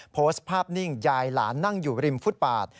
โพสต์ภาพนิ่งยายหลานนั่งอยู่ริมฟุตปาด